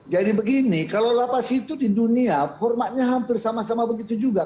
jadi begini kalau lapas itu di dunia formatnya hampir sama sama begitu juga